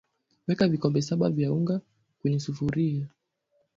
Weka vikombe saba vya unga kwenye sufuria